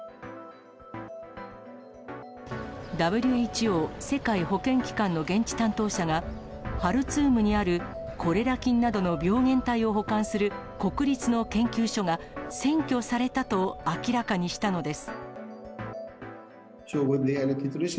ＷＨＯ・世界保健機関の現地担当者が、ハルツームにあるコレラ菌などの病原体を保管する国立の研究所が占拠されたと明らかにしたのです。